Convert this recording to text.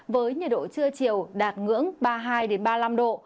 với nhiệt độ trưa chiều đạt ngưỡng ba mươi hai ba mươi năm độ